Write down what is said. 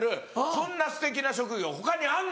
こんなすてきな職業他にあんのか！」。